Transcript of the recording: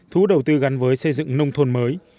thú đầu tư gắn với xây dựng nông thôn mới